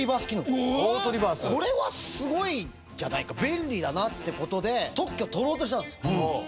これがこれはすごいじゃないか便利だなって事で特許取ろうとしたんです。